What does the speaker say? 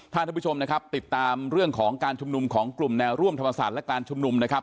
ท่านผู้ชมนะครับติดตามเรื่องของการชุมนุมของกลุ่มแนวร่วมธรรมศาสตร์และการชุมนุมนะครับ